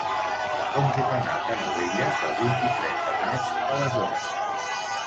Com puc anar a Canovelles el vint-i-tres de maig a les onze?